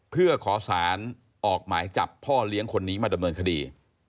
เพื่อขอสารออกหมายจับพ่อเลี้ยงคนนี้มาดำเนินคดี